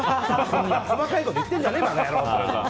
細かいこと言ってんじゃねえ馬鹿野郎！って。